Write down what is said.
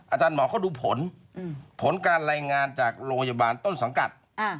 อาจารย์หมอเขาดูผลผลการรายงานจากโรงพยาบาลต้นสังกัด